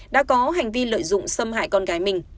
đã có hành vi lợi dụng xâm hại con gái mình